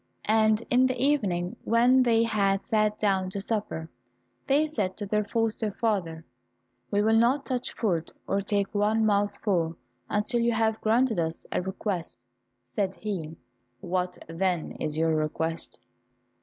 And in the evening when they had sat down to supper, they said to their foster father, "We will not touch food, or take one mouthful, until you have granted us a request." Said he, "What, then, is your request?"